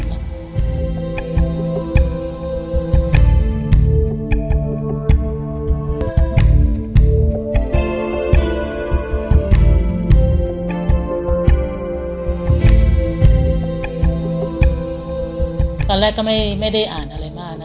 ตอนแรกก็ไม่ได้อ่านอะไรมากนะ